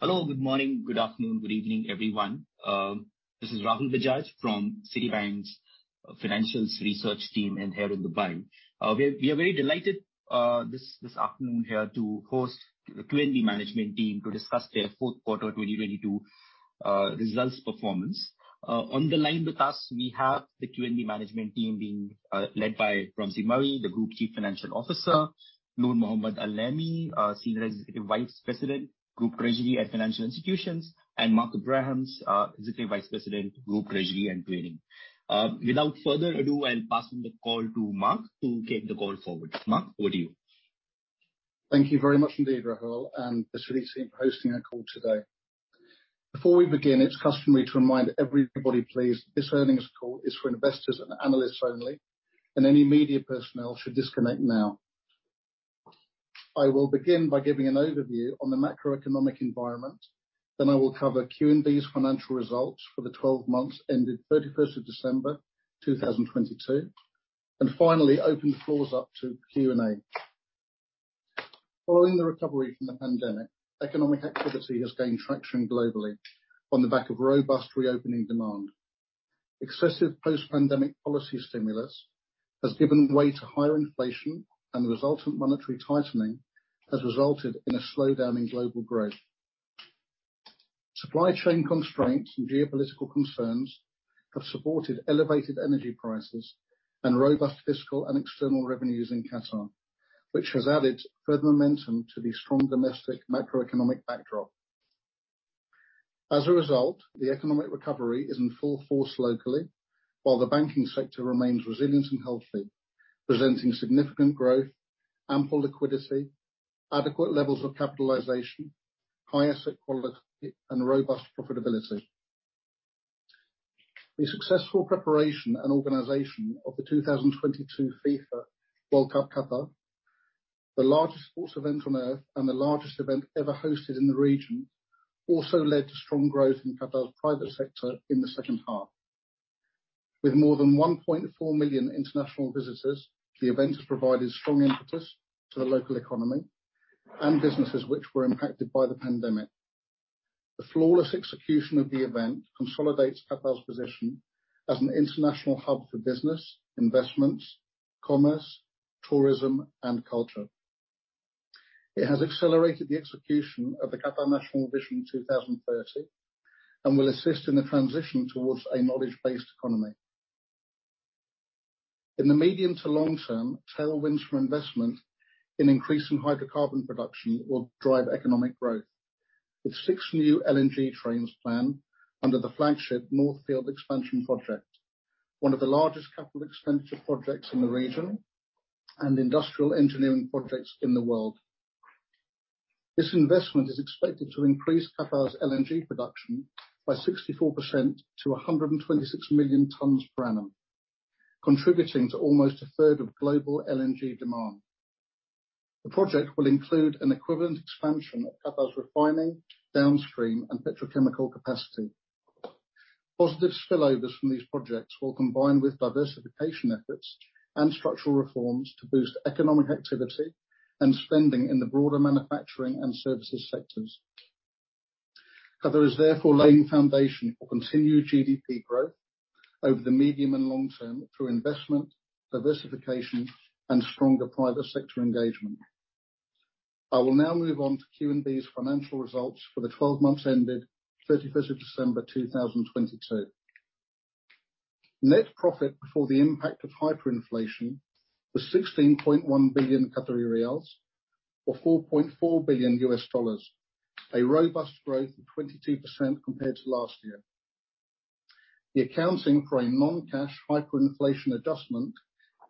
Hello. Good morning, good afternoon, good evening, everyone. This is Rahul Bajaj from Citigroup's financials research team, here in Dubai. We are very delighted this afternoon here to host the QNB management team to discuss their fourth quarter 2022 results performance. On the line with us, we have the QNB management team being led by Ramzi Mari, the Group Chief Financial Officer, Noor Mohammed Al-Naimi, Senior Executive Vice President, Group Treasury & Financial Institutions, and Mark Abrahams, Executive Vice President, Group Treasury and Trading. Without further ado, I'm passing the call to Mark to take the call forward. Mark, over to you. Thank you very much indeed, Rahul and the Citigroup team for hosting our call today. Before we begin, it's customary to remind everybody, please, this earnings call is for investors and analysts only. Any media personnel should disconnect now. I will begin by giving an overview on the macroeconomic environment, I will cover QNB's financial results for the 12 months ended 31st of December 2022, and finally open the floors up to Q&A. Following the recovery from the pandemic, economic activity has gained traction globally on the back of robust reopening demand. Excessive post-pandemic policy stimulus has given way to higher inflation, the resultant monetary tightening has resulted in a slowdown in global growth. Supply chain constraints and geopolitical concerns have supported elevated energy prices and robust fiscal and external revenues in Qatar, which has added further momentum to the strong domestic macroeconomic backdrop. As a result, the economic recovery is in full force locally, while the banking sector remains resilient and healthy, presenting significant growth, ample liquidity, adequate levels of capitalization, higher asset quality, and robust profitability. The successful preparation and organization of the FIFA World Cup Qatar 2022, the largest sports event on Earth, the largest event ever hosted in the region, also led to strong growth in Qatar's private sector in the second half. With more than 1.4 million international visitors, the event has provided strong impetus to the local economy and businesses which were impacted by the pandemic. The flawless execution of the event consolidates Qatar's position as an international hub for business, investments, commerce, tourism, and culture. It has accelerated the execution of the Qatar National Vision 2030, will assist in the transition towards a knowledge-based economy. In the medium to long term, tailwinds from investment in increasing hydrocarbon production will drive economic growth, with six new LNG trains planned under the flagship North Field Expansion Project, one of the largest capital expenditure projects in the region and industrial engineering projects in the world. This investment is expected to increase Qatar's LNG production by 64% to 126 million tons per annum, contributing to almost a third of global LNG demand. The project will include an equivalent expansion of Qatar's refining, downstream, and petrochemical capacity. Positive spillovers from these projects will combine with diversification efforts and structural reforms to boost economic activity and spending in the broader manufacturing and services sectors. Qatar is therefore laying the foundation for continued GDP growth over the medium and long term through investment, diversification, and stronger private sector engagement. I will now move on to QNB's financial results for the 12 months ended 31st of December 2022. Net profit before the impact of hyperinflation was 16.1 billion Qatari riyals or $4.4 billion, a robust growth of 22% compared to last year. The accounting for a non-cash hyperinflation adjustment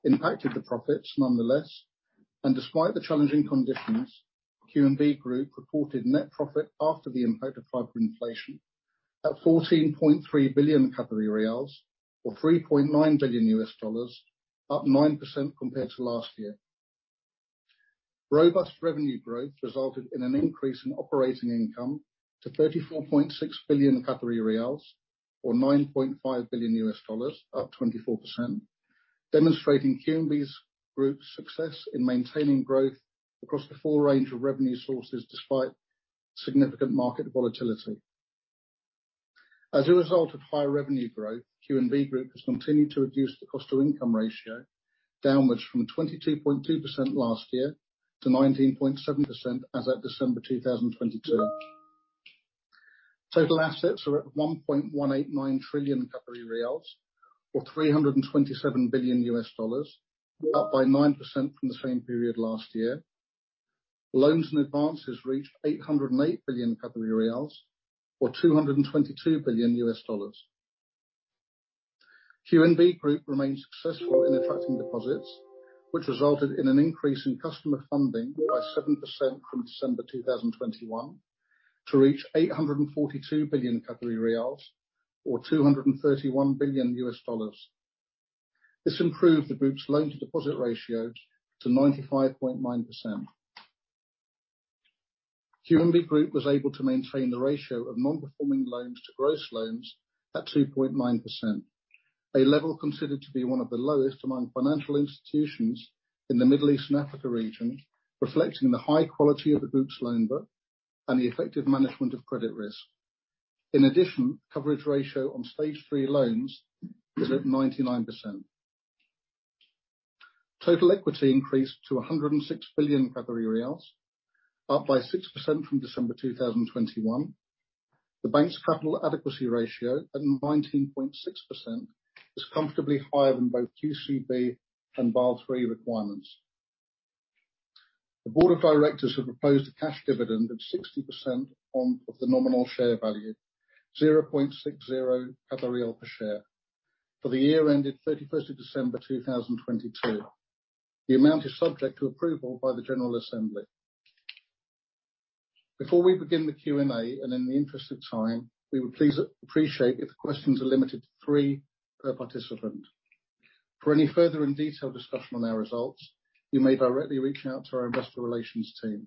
impacted the profits nonetheless, and despite the challenging conditions, QNB Group reported net profit after the impact of hyperinflation at 14.3 billion Qatari riyals or $3.9 billion, up 9% compared to last year. Robust revenue growth resulted in an increase in operating income to 34.6 billion Qatari riyals or $9.5 billion, up 24%, demonstrating QNB Group's success in maintaining growth across the full range of revenue sources despite significant market volatility. As a result of higher revenue growth, QNB Group has continued to reduce the cost-to-income ratio downwards from 22.2% last year to 19.7% as at December 2022. Total assets are at 1.189 trillion Qatari riyals or $327 billion, up by 9% from the same period last year. Loans and advances reached 808 billion Qatari riyals or $222 billion. QNB Group remains successful in attracting deposits, which resulted in an increase in customer funding by 7% from December 2021 to reach 842 billion Qatari riyals or $231 billion. This improved the group's loan-to-deposit ratio to 95.9%. QNB Group was able to maintain the ratio of non-performing loans to gross loans at 2.9%. A level considered to be one of the lowest among financial institutions in the Middle East and Africa region, reflecting the high quality of the group's loan book and the effective management of credit risk. In addition, coverage ratio on Stage 3 loans is at 99%. Total equity increased to 106 billion Qatari riyals, up by 6% from December 2021. The bank's Capital Adequacy Ratio, at 19.6%, is comfortably higher than both QCB and Basel III requirements. The board of directors have proposed a cash dividend of 60% of the nominal share value, 0.60 Qatari riyal per share, for the year ended 31st of December 2022. The amount is subject to approval by the general assembly. Before we begin the Q&A, and in the interest of time, we would appreciate if the questions are limited to three per participant. For any further and detailed discussion on our results, you may directly reach out to our investor relations team.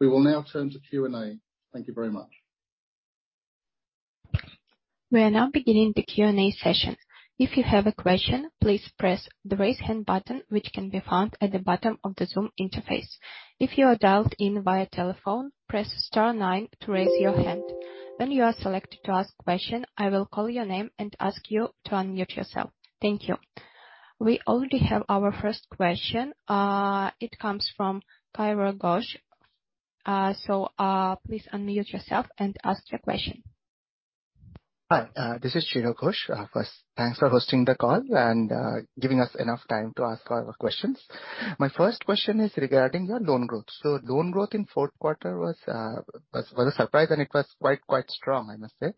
We will now turn to Q&A. Thank you very much. We are now beginning the Q&A session. If you have a question, please press the raise hand button, which can be found at the bottom of the Zoom interface. If you are dialed in via telephone, press star nine to raise your hand. When you are selected to ask question, I will call your name and ask you to unmute yourself. Thank you. We already have our first question. It comes from Chiro Ghosh. Please unmute yourself and ask your question. Hi. This is Chiro Ghosh. First, thanks for hosting the call and giving us enough time to ask our questions. My first question is regarding your loan growth. Loan growth in fourth quarter was a surprise, and it was quite strong, I must say.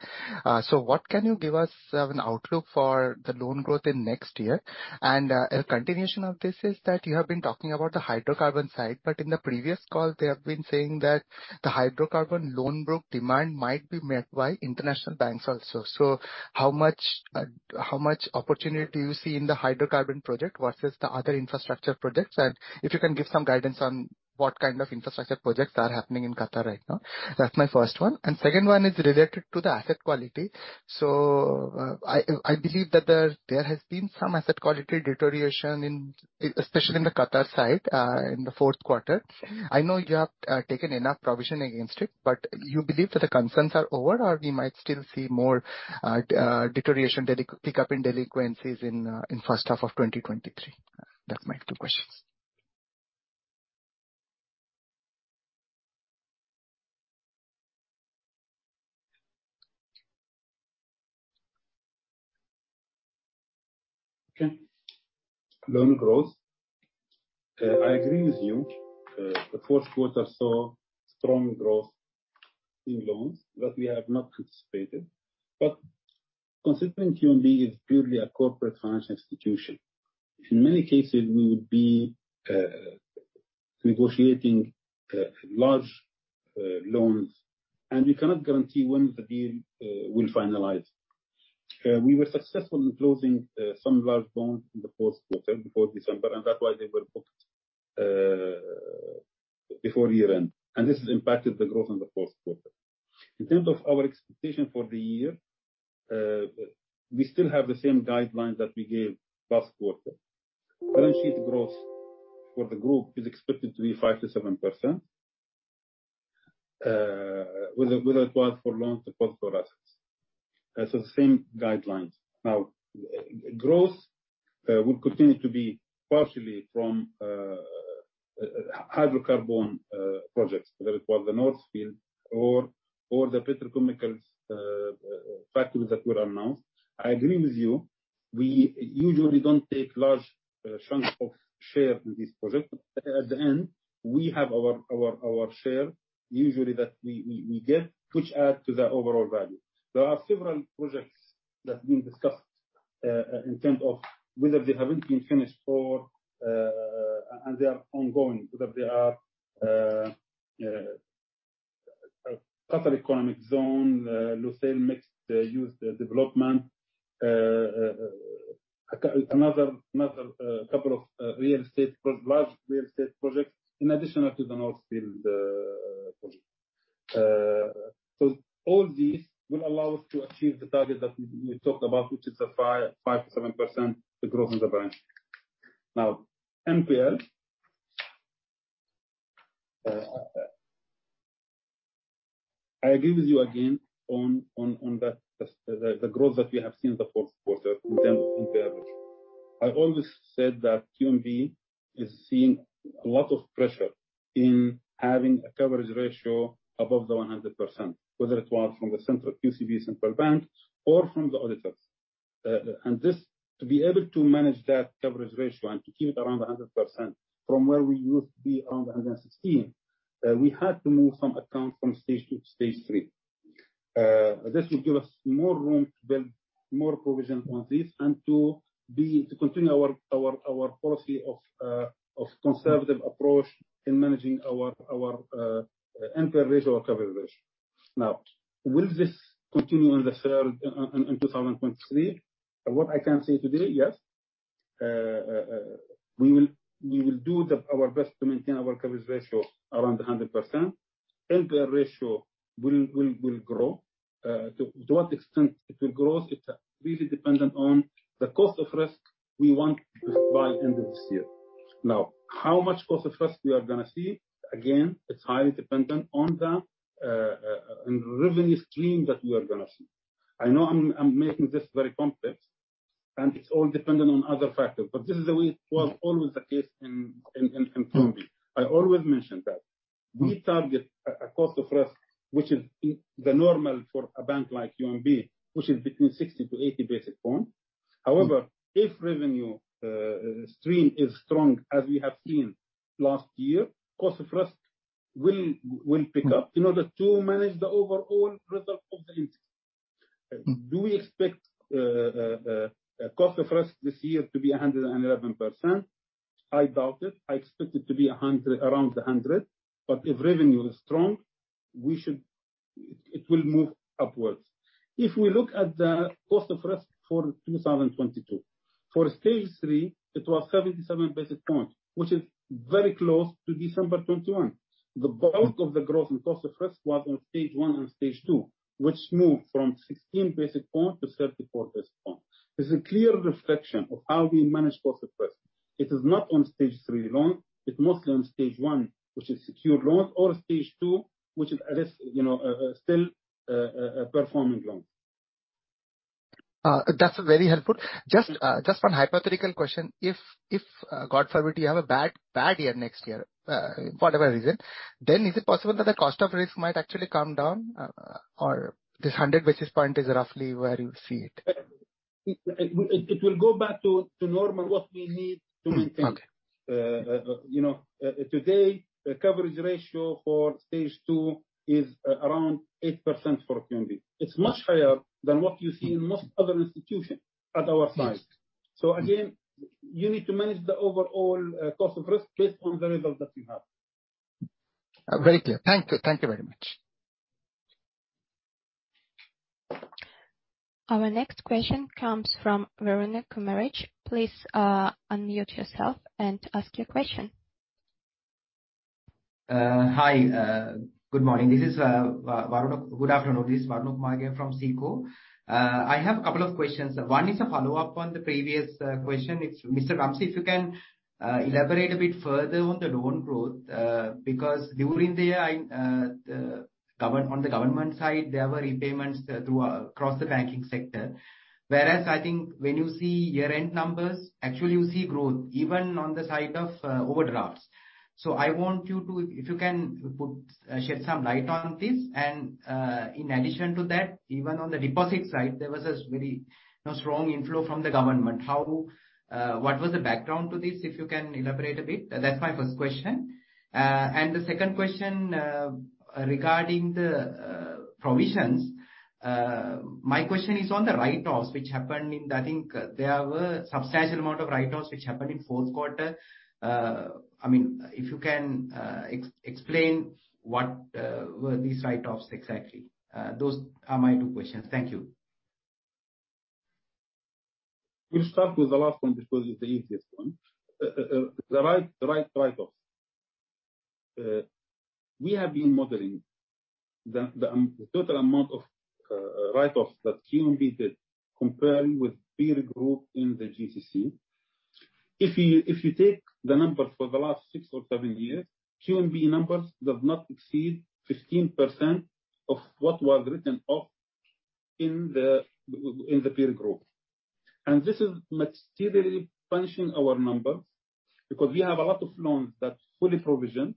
What can you give us as an outlook for the loan growth in next year? A continuation of this is that you have been talking about the hydrocarbon side, but in the previous call, they have been saying that the hydrocarbon loan book demand might be met by international banks also. How much opportunity you see in the hydrocarbon project versus the other infrastructure projects? If you can give some guidance on what kind of infrastructure projects are happening in Qatar right now. That's my first one. Second one is related to the asset quality. I believe that there has been some asset quality deterioration, especially in the Qatar side, in the fourth quarter. I know you have taken enough provision against it, but you believe that the concerns are over, or we might still see more deterioration, pickup in delinquencies in first half of 2023? That's my two questions. Okay. Loan growth. I agree with you. The fourth quarter saw strong growth in loans that we have not anticipated. Considering QNB is purely a corporate financial institution, in many cases we would be negotiating large loans, and we cannot guarantee when the deal will finalize. We were successful in closing some large loans in the fourth quarter, before December, and that's why they were booked, before year-end. This has impacted the growth in the fourth quarter. In terms of our expectation for the year, we still have the same guidelines that we gave last quarter. Balance sheet growth for the group is expected to be 5%-7%, whether it was for loans or for assets. The same guidelines. Now, growth will continue to be partially from hydrocarbon projects, whether it was the North Field or the petrochemicals factories that were announced. I agree with you. We usually don't take large chunks of share in this project. At the end, we have our share usually that we get, which add to the overall value. There are several projects that are being discussed, in terms of whether they haven't been finished and they are ongoing, whether they are Qatar Economic Zone, Lusail mixed-use development, another couple of large real estate projects in addition to the North Field project. All these will allow us to achieve the target that we talked about, which is a 5%-7% growth in the bank. Now, NPL. I agree with you again on the growth that we have seen in the fourth quarter in terms of NPL ratio. I've always said that QNB is seeing a lot of pressure in having a coverage ratio above the 100%, whether it was from the Qatar Central Bank or from the auditors. To be able to manage that coverage ratio and to keep it around 100% from where we used to be around 116, we had to move some accounts from Stage 2 to Stage 3. This will give us more room to build more provision on this and to continue our policy of conservative approach in managing our NPL ratio or coverage ratio. Will this continue in 2023? What I can say today, yes. We will do our best to maintain our coverage ratio around 100%. NPL ratio will grow. To what extent it will grow, it's really dependent on the Cost of Risk we want by end of this year. How much Cost of Risk we are going to see? It's highly dependent on the revenue stream that we are going to see. I know I'm making this very complex, and it's all dependent on other factors, but this is the way it was always the case in QNB. I always mentioned that we target a Cost of Risk which is the normal for a bank like QNB, which is between 60 to 80 basis points. If revenue stream is strong, as we have seen last year, Cost of Risk will pick up in order to manage the overall result of the interest. Do we expect Cost of Risk this year to be 111%? I doubt it. I expect it to be around 100%. If revenue is strong, it will move upwards. If we look at the Cost of Risk for 2022. For Stage 3, it was 77 basis points, which is very close to December 2021. The bulk of the growth in Cost of Risk was on Stage 1 and Stage 2, which moved from 16 basis points to 34 basis points. There's a clear reflection of how we manage Cost of Risk. It is not on Stage 3 loans. It's mostly on Stage 1, which is secured loans, or Stage 2, which is still performing loans. That's very helpful. Just one hypothetical question. If, God forbid, you have a bad year next year, for whatever reason, is it possible that the Cost of Risk might actually come down? Or this 100 basis point is roughly where you see it? It will go back to normal, what we need to maintain. Okay. Today, the coverage ratio for Stage 2 is around 8% for QNB. It's much higher than what you see in most other institutions at our size. Yes. Again, you need to manage the overall Cost of Risk based on the result that you have. Very clear. Thank you. Thank you very much. Our next question comes from Waruna Kumarage. Please unmute yourself and ask your question. Hi. Good morning. Good afternoon. This is Waruna Kumarage from SECO. I have a couple of questions. One is a follow-up on the previous question. If, Mr. Ramzi, if you can elaborate a bit further on the loan growth, because during the year on the government side, there were repayments across the banking sector. Whereas I think when you see year-end numbers, actually, you see growth even on the side of overdrafts. I want you to, if you can, shed some light on this. In addition to that, even on the deposit side, there was a very strong inflow from the government. What was the background to this, if you can elaborate a bit? That's my first question. The second question, regarding the provisions. My question is on the write-offs, which happened in, I think there were substantial amount of write-offs which happened in fourth quarter. If you can explain what were these write-offs exactly? Those are my two questions. Thank you. We'll start with the last one because it's the easiest one. The write-offs. We have been modeling the total amount of write-offs that QNB did comparing with peer group in the GCC. If you take the numbers for the last six or seven years, QNB numbers does not exceed 15% of what was written off in the peer group. This is materially punishing our numbers because we have a lot of loans that's fully provisioned.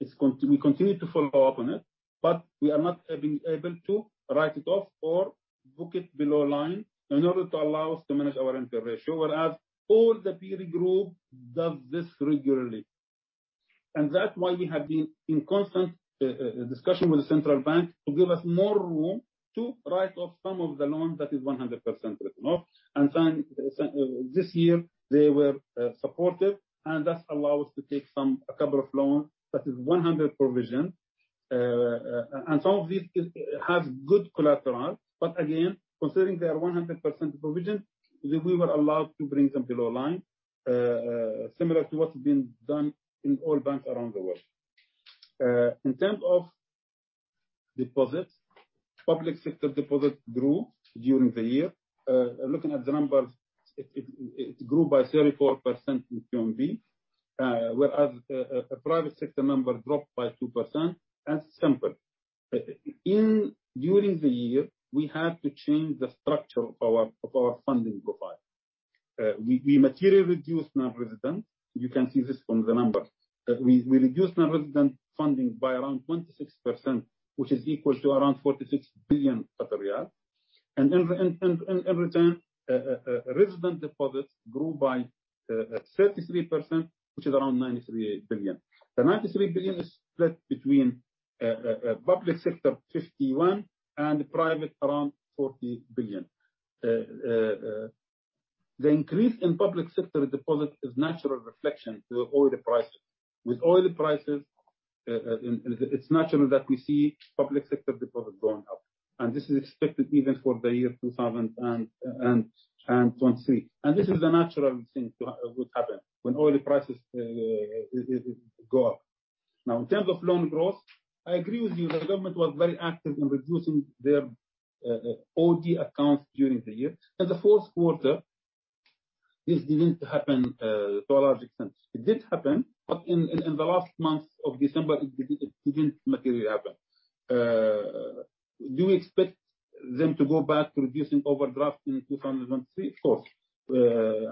We continue to follow up on it, but we are not being able to write it off or book it below line in order to allow us to manage our NPL ratio, whereas all the peer group does this regularly. That's why we have been in constant discussion with the central bank to give us more room to write off some of the loans that is 100% written off. This year they were supportive, that allow us to take a couple of loans that is 100 provisioned. Some of these has good collateral. Again, considering they are 100% provisioned, we were allowed to bring some below line, similar to what's been done in all banks around the world. In terms of deposits, public sector deposits grew during the year. Looking at the numbers, it grew by 34% in QNB, whereas private sector numbers dropped by 2%. That's simple. During the year, we had to change the structure of our funding profile. We materially reduced non-resident. You can see this from the numbers. We reduced non-resident funding by around 26%, which is equal to around 46 billion. In return, resident deposits grew by 33%, which is around 93 billion. The 93 billion is split between public sector, 51, and private, around 40 billion. The increase in public sector deposit is natural reflection to oil prices. With oil prices it's natural that we see public sector deposits going up. This is expected even for the year 2023. This is a natural thing to would happen when oil prices go up. Now, in terms of loan growth, I agree with you. The government was very active in reducing their OD accounts during the year. In the fourth quarter, this didn't happen to a large extent. It did happen, but in the last month of December, it didn't materially happen. Do we expect them to go back to reducing overdraft in 2023? Of course.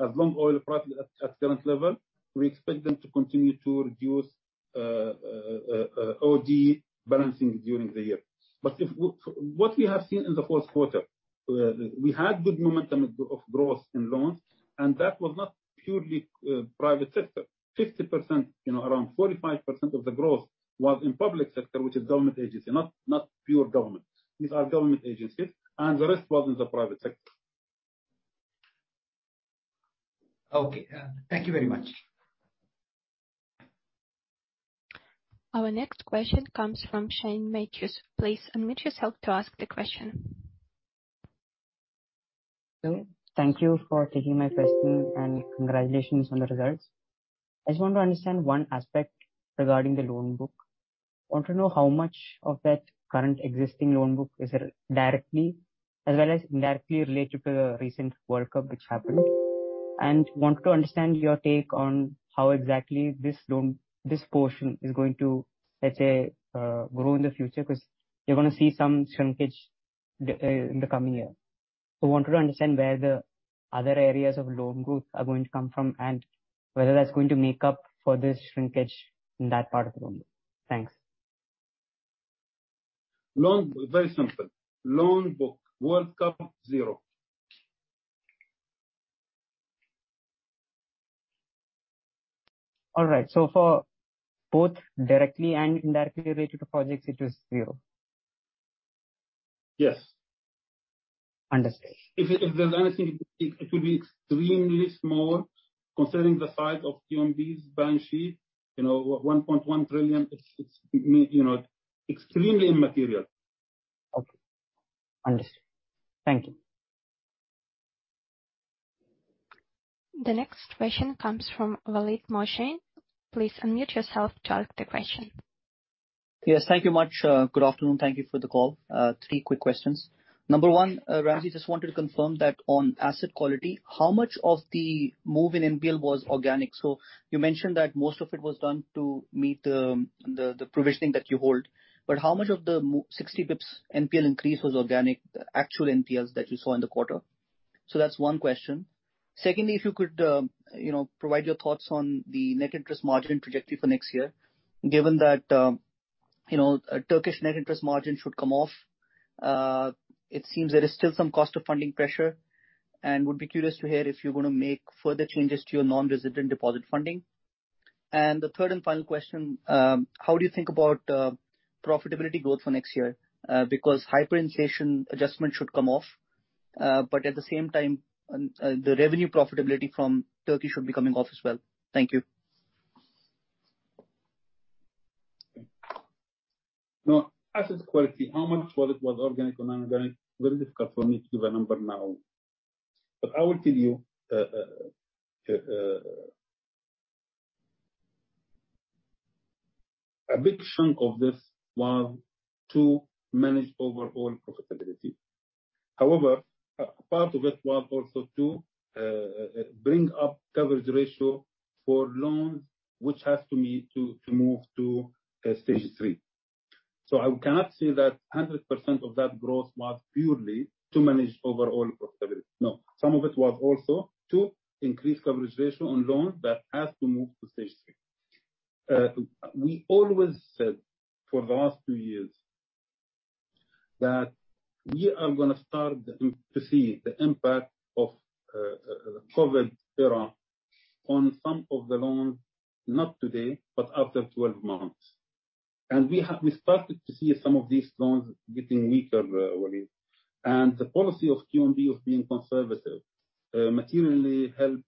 As long oil prices at current level, we expect them to continue to reduce OD balancing during the year. What we have seen in the fourth quarter, we had good momentum of growth in loans, that was not purely private sector. Around 45% of the growth was in public sector, which is government agency, not pure government. These are government agencies, the rest was in the private sector. Okay. Thank you very much. Our next question comes from Shane Matthews. Please unmute yourself to ask the question. Hello. Thank you for taking my question, and congratulations on the results. I just want to understand one aspect regarding the loan book. I want to know how much of that current existing loan book is directly as well as indirectly related to the recent World Cup which happened. Want to understand your take on how exactly this portion is going to, let's say, grow in the future, because you're going to see some shrinkage in the coming year. Want to understand where the other areas of loan growth are going to come from and whether that's going to make up for this shrinkage in that part of the world. Thanks. Very simple. Loan book, World Cup, zero. All right. For both directly and indirectly related projects, it is zero? Yes. Understood. If there's anything, it will be extremely small considering the size of QNB's balance sheet, 1.1 trillion. It's extremely immaterial. Okay. Understood. Thank you. The next question comes from Waleed Mohsin. Please unmute yourself to ask the question. Yes. Thank you much. Good afternoon. Thank you for the call. Three quick questions. Number 1, Ramzi, just wanted to confirm that on asset quality, how much of the move in NPL was organic? You mentioned that most of it was done to meet the provisioning that you hold, but how much of the 60 basis points NPL increase was organic, actual NPLs that you saw in the quarter? That's one question. Secondly, if you could provide your thoughts on the net interest margin trajectory for next year, given that Turkish net interest margin should come off. It seems there is still some cost of funding pressure, and would be curious to hear if you're going to make further changes to your non-resident deposit funding. The third and final question, how do you think about profitability growth for next year? Hyperinflation adjustment should come off, but at the same time, the revenue profitability from Turkey should be coming off as well. Thank you. Asset quality, how much was organic or non-organic? Very difficult for me to give a number now. I will tell you, a big chunk of this was to manage overall profitability. However, part of it was also to bring up coverage ratio for loans, which has to move to Stage 3. I cannot say that 100% of that growth was purely to manage overall profitability. No. Some of it was also to increase coverage ratio on loans that has to move to Stage 3. We always said, for the last two years, that we are going to start to see the impact of COVID era on some of the loans, not today, but after twelve months. We started to see some of these loans getting weaker, Waleed. The policy of QNB of being conservative materially helped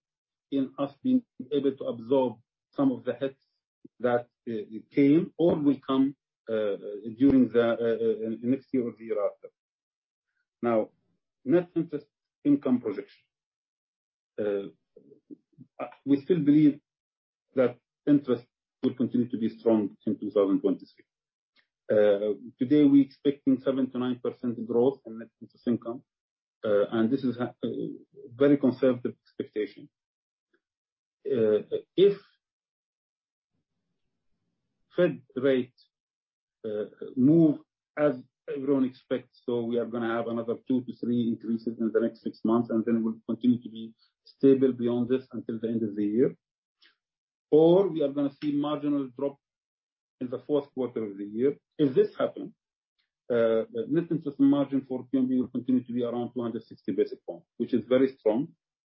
in us being able to absorb some of the hits that came or will come during the next year or the year after. Net interest income projection. We still believe that interest will continue to be strong in 2023. Today, we expecting 7%-9% growth in net interest income. This is very conservative expectation. If Fed rate move as everyone expects, we are going to have another two to three increases in the next six months, then will continue to be stable beyond this until the end of the year, or we are going to see marginal drop in the fourth quarter of the year. If this happen, net interest margin for QNB will continue to be around 260 basis points, which is very strong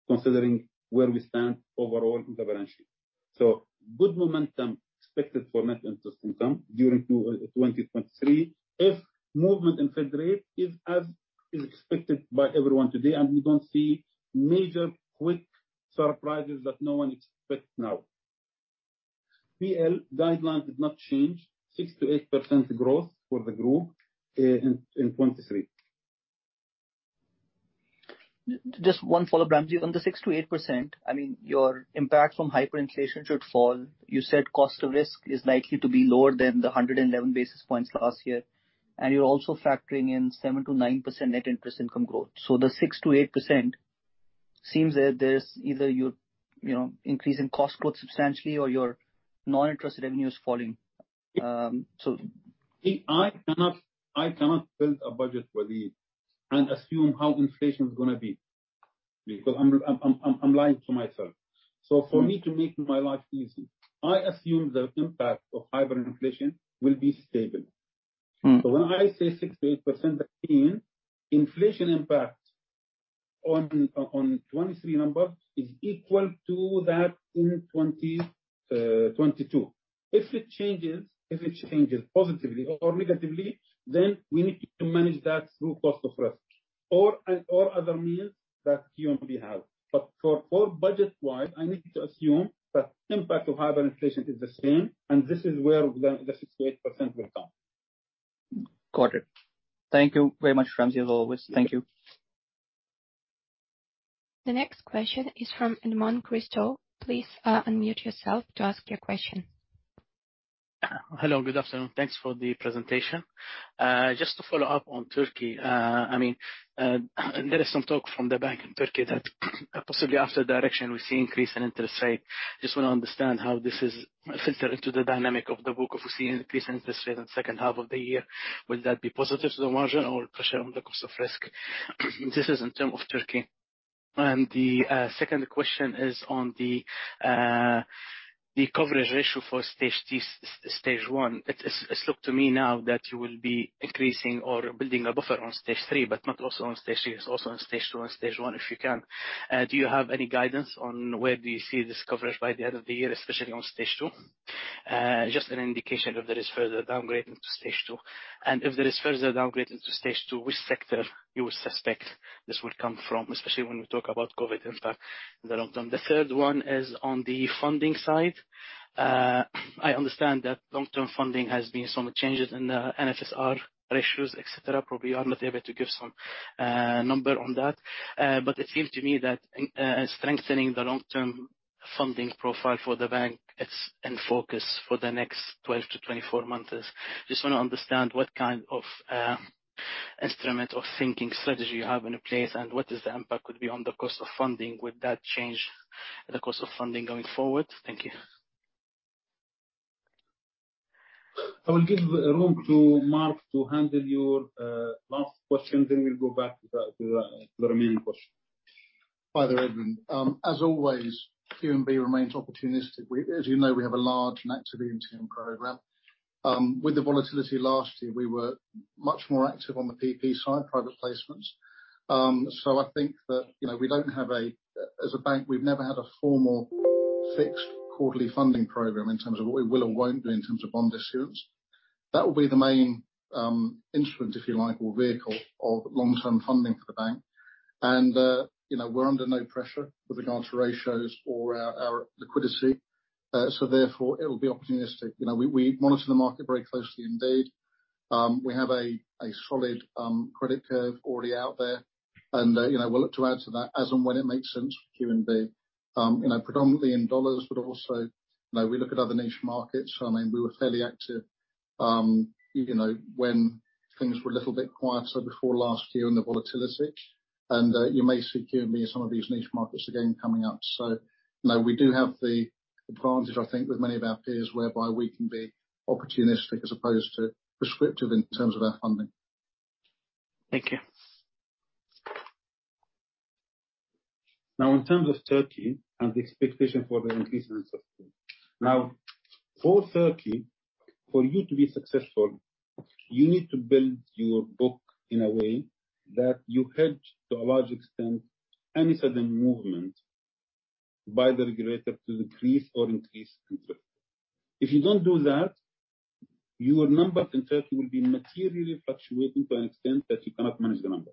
considering where we stand overall in the balance sheet. Good momentum expected for net interest income during 2023 if movement in Fed rate is as is expected by everyone today, we don't see major quick surprises that no one expects now. PNL guidelines did not change, 6%-8% growth for the group in 2023. Just one follow, Ramzi. On the 6%-8%, your impact from hyperinflation should fall. You said cost of risk is likely to be lower than the 111 basis points last year, and you're also factoring in 7%-9% Net Interest Income growth. The 6%-8% seems that there's either your increasing cost growth substantially or your non-interest revenue is falling. I cannot build a budget for the and assume how inflation is going to be because I'm lying to myself. For me to make my life easy, I assume the impact of hyperinflation will be stable. When I say 6%-8%, I mean inflation impact on 2023 number is equal to that in 2022. If it changes positively or negatively, then we need to manage that through cost of risk or other means that QNB have. For budget-wise, I need to assume that impact of hyperinflation is the same, and this is where the 6%-8% will come. Got it. Thank you very much, Ramzi, as always. Thank you. The next question is from Edmond Christou. Please unmute yourself to ask your question. Hello, good afternoon. Thanks for the presentation. Just to follow up on Turkey, there is some talk from the bank in Turkey that possibly after direction, we see increase in interest rate. Just want to understand how this is filtered into the dynamic of the book if we see an increase in interest rate in the second half of the year. Will that be positive to the margin or pressure on the Cost of Risk? This is in term of Turkey. The second question is on the coverage ratio for Stage I. It looks to me now that you will be increasing or building a buffer on Stage III, but not also on Stage III, it's also on Stage II and Stage I, if you can. Do you have any guidance on where do you see this coverage by the end of the year, especially on Stage II? Just an indication if there is further downgrading to Stage II. If there is further downgrade into Stage II, which sector you would suspect this would come from, especially when we talk about COVID impact in the long term. The third one is on the funding side. I understand that long-term funding has been some changes in the NSFR ratios, et cetera. Probably are not able to give some number on that. It seems to me that strengthening the long-term funding profile for the bank, it's in focus for the next 12-24 months. Just want to understand what kind of instrument or thinking strategy you have in place and what is the impact could be on the cost of funding. Would that change the cost of funding going forward? Thank you. I will give room to Mark to handle your last question, then we'll go back to the remaining questions. Hi there, Edmond. As always, QNB remains opportunistic. As you know, we have a large and active EMTN programme. With the volatility last year, we were much more active on the PP side, private placements. I think that, as a bank, we've never had a formal fixed quarterly funding program in terms of what we will or won't do in terms of bond issuance. That will be the main instrument, if you like, or vehicle of long-term funding for the bank. We're under no pressure with regards to ratios or our liquidity. Therefore, it will be opportunistic. We monitor the market very closely indeed. We have a solid credit curve already out there, and we look to add to that as and when it makes sense for QNB. Predominantly in dollars, but also, we look at other niche markets. We were fairly active when things were a little bit quieter before last year and the volatility. You may see QNB in some of these niche markets again coming up. We do have the advantage, I think, with many of our peers, whereby we can be opportunistic as opposed to prescriptive in terms of our funding. Thank you. In terms of Turkey and the expectation for the increase in interest. For Turkey, for you to be successful, you need to build your book in a way that you hedge, to a large extent, any sudden movement by the regulator to decrease or increase interest. If you don't do that, your numbers in Turkey will be materially fluctuating to an extent that you cannot manage the number.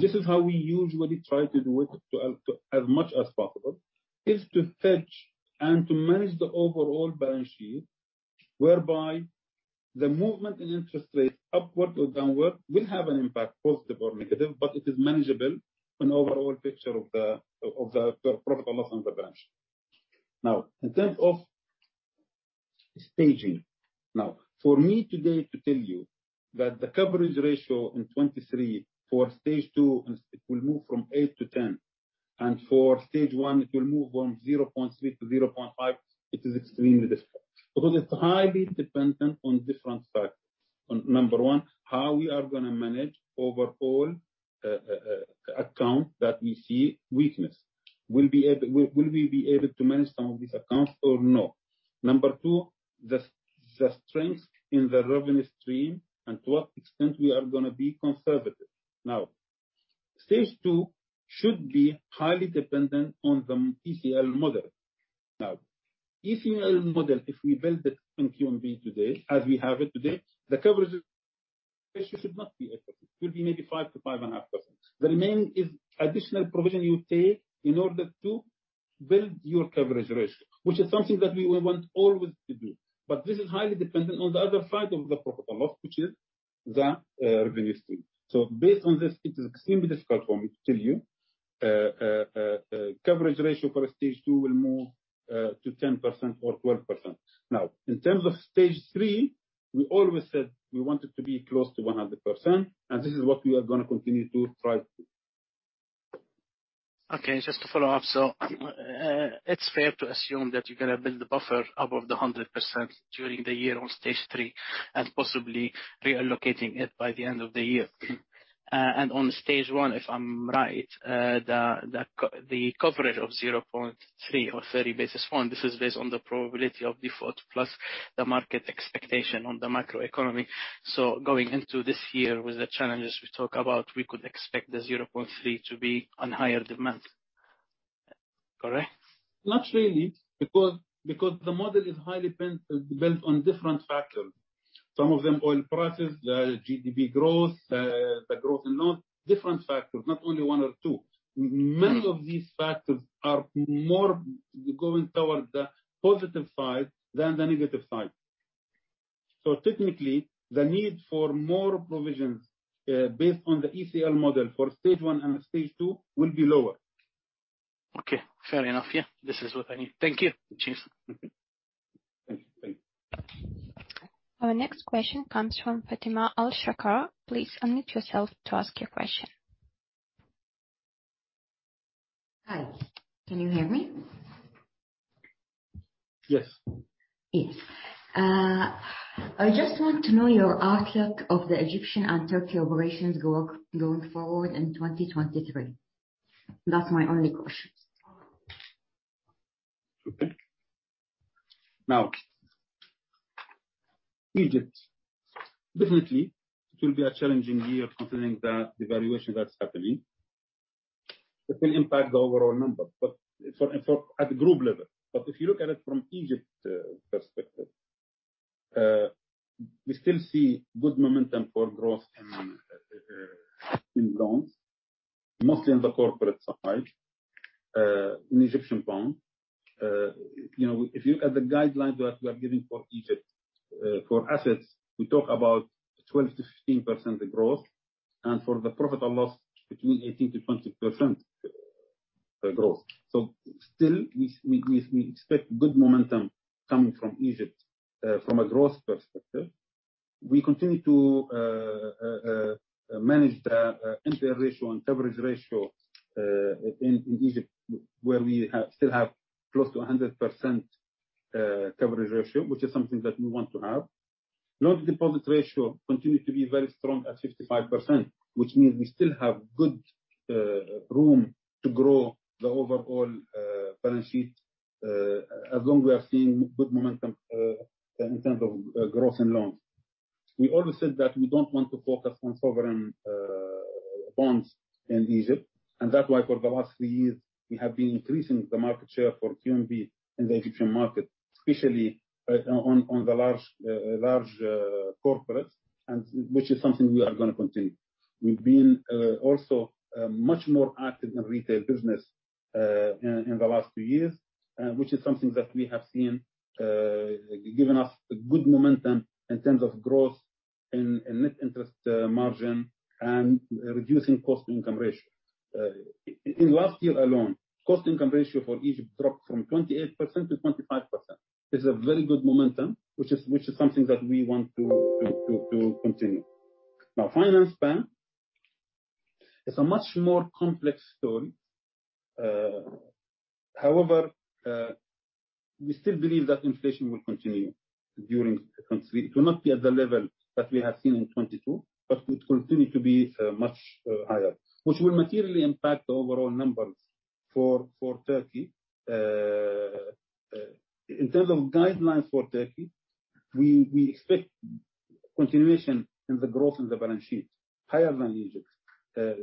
This is how we usually try to do it, as much as possible, is to hedge and to manage the overall balance sheet, whereby the movement in interest rates upward or downward will have an impact, positive or negative, but it is manageable on overall picture of the profit and loss on the branch. In terms of staging. For me today to tell you that the coverage ratio in 2023 for Stage 2, it will move from 8 to 10, and for Stage 1, it will move from 0.3 to 0.5, it is extremely difficult because it is highly dependent on different factors. On number 1, how we are going to manage overall account that we see weakness. Will we be able to manage some of these accounts or no? Number 2, the strength in the revenue stream and to what extent we are going to be conservative. Stage 2 should be highly dependent on the ECL model. ECL model, if we build it in QNB today, as we have it today, the coverage ratio should not be 8%. It will be maybe 5% to 5.5%. The remaining is additional provision you take in order to build your coverage ratio, which is something that we will want always to do. This is highly dependent on the other side of the profit or loss, which is the revenue stream. Based on this, it is extremely difficult for me to tell you, coverage ratio for Stage 2 will move to 10% or 12%. In terms of Stage 3, we always said we wanted to be close to 100%, and this is what we are going to continue to strive to. Okay, just to follow up. It is fair to assume that you are going to build the buffer above the 100% during the year on Stage 3, and possibly reallocating it by the end of the year. On Stage 1, if I am right, the coverage of 0.3 or 30 basis points, this is based on the probability of default plus the market expectation on the macro economy. Going into this year with the challenges we talk about, we could expect the 0.3 to be on higher demand. Correct? Not really, because the model is highly built on different factors. Some of them oil prices, the GDP growth, the growth in loans, different factors, not only one or two. Many of these factors are more going towards the positive side than the negative side. Technically, the need for more provisions, based on the ECL model for Stage 1 and Stage 2, will be lower. Okay, fair enough. Yeah, this is what I need. Thank you. Cheers. Thank you. Our next question comes from Fatema Alshakar. Please unmute yourself to ask your question. Hi, can you hear me? Yes. Yes. I just want to know your outlook of the Egyptian and Turkey operations going forward in 2023. That's my only question. Egypt, definitely it will be a challenging year considering the devaluation that's happening. It will impact the overall number, but at the group level. If you look at it from Egypt perspective, we still see good momentum for growth in loans, mostly on the corporate side, in Egyptian pound. If you add the guidelines that we are giving for Egypt, for assets, we talk about 12%-15% growth, and for the profit or loss, between 18%-20% growth. Still, we expect good momentum coming from Egypt, from a growth perspective. We continue to manage the NPL ratio and coverage ratio, in Egypt, where we still have close to 100% coverage ratio, which is something that we want to have. Loan-to-deposit ratio continue to be very strong at 55%, which means we still have good room to grow the overall balance sheet, as long we are seeing good momentum, in terms of growth in loans. We always said that we don't want to focus on sovereign bonds in Egypt. That's why for the last three years, we have been increasing the market share for QNB in the Egyptian market, especially on the large corporates. Which is something we are going to continue. We've been also much more active in retail business in the last two years, which is something that we have seen, given us a good momentum in terms of growth and Net Interest Margin and reducing cost-to-income ratio. In last year alone, cost-to-income ratio for Egypt dropped from 28% to 25%. This is a very good momentum, which is something that we want to continue. Finansbank, it's a much more complex story. However, we still believe that inflation will continue during the country. It will not be at the level that we have seen in 2022, but it will continue to be much higher, which will materially impact the overall numbers for Turkey. In terms of guidelines for Turkey, we expect continuation in the growth in the balance sheet, higher than Egypt's.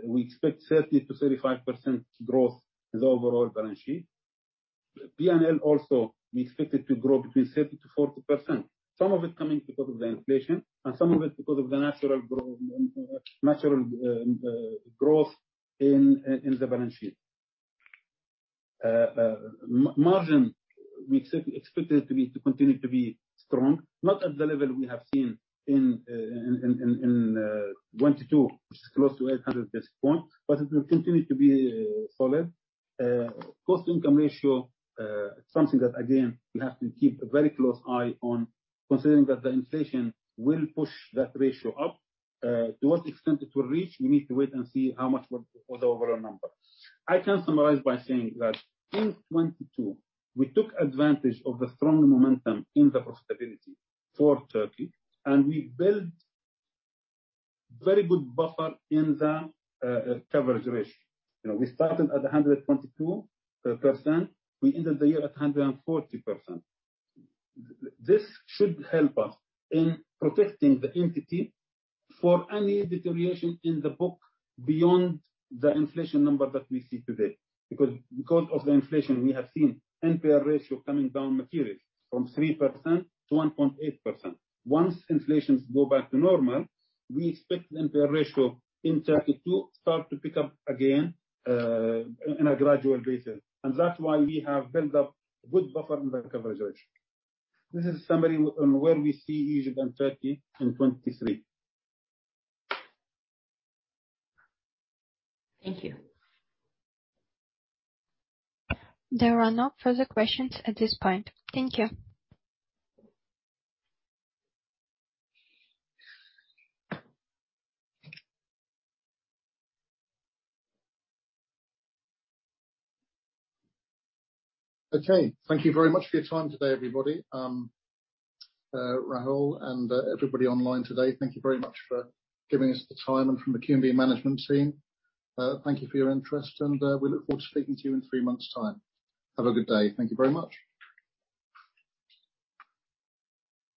We expect 30%-35% growth in the overall balance sheet. PNL also, we expect it to grow between 30%-40%, some of it coming because of the inflation, and some of it because of the natural growth in the balance sheet. Margin, we expect it to continue to be strong, not at the level we have seen in 2022, which is close to 800 basis points, but it will continue to be solid. cost-to-income ratio, something that, again, we have to keep a very close eye on, considering that the inflation will push that ratio up. To what extent it will reach, we need to wait and see how much for the overall number. I can summarize by saying that in 2022, we took advantage of the strong momentum in the profitability for Turkey, and we built very good buffer in the coverage ratio. We started at 122%, we ended the year at 140%. This should help us in protecting the entity for any deterioration in the book beyond the inflation number that we see today. Because of the inflation, we have seen NPL ratio coming down materially from 3% to 1.8%. Once inflations go back to normal, we expect the NPL ratio in Turkey to start to pick up again, in a gradual basis. That is why we have built up good buffer in the coverage ratio. This is summary on where we see Egypt and Turkey in 2023. Thank you. There are no further questions at this point. Thank you. Okay. Thank you very much for your time today, everybody. Rahul and everybody online today, thank you very much for giving us the time. From the QNB management team, thank you for your interest and we look forward to speaking to you in three months time. Have a good day. Thank you very much.